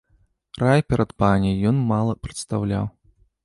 Рай перад паняй ён мала прадстаўляў.